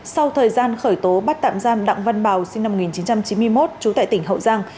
sau thời gian khởi tố bắt tạm giam đặng văn bào sinh năm một nghìn chín trăm chín mươi một trú tại tỉnh hậu giang